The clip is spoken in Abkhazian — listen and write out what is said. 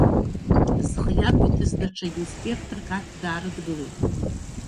Зхы иақәиҭыз даҽа инспекторк арҭ даарыдгылеит.